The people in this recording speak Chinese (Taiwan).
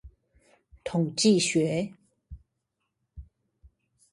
統計學